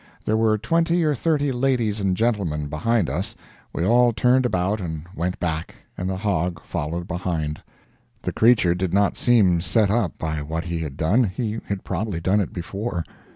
There were twenty or thirty ladies and gentlemen behind us; we all turned about and went back, and the hog followed behind. The creature did not seem set up by what he had done; he had probably done it before.